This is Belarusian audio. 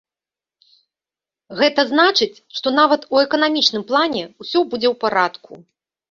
Гэта значыць, што нават у эканамічным плане ўсё будзе ў парадку.